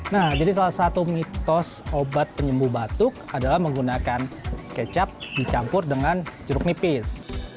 nah jadi salah satu mitos obat penyembuh batuk adalah menggunakan kecap dicampur dengan jeruk nipis